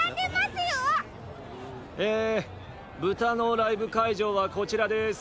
え豚のライブかいじょうはこちらです。